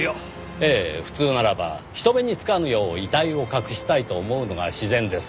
ええ普通ならば人目につかぬよう遺体を隠したいと思うのが自然です。